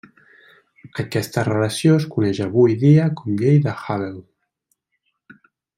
Aquesta relació es coneix avui dia com llei de Hubble.